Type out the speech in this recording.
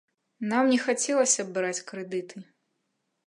Нам не хацелася б браць крэдыты.